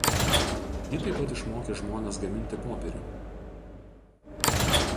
Ji taip pat išmokė žmones gaminti popierių.